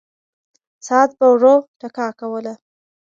ساعت به ورو ټکا کوله.